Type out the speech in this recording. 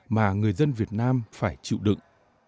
mà người dân việt nam phải chịu đựng